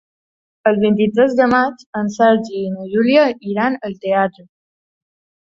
El vint-i-tres de maig en Sergi i na Júlia iran al teatre.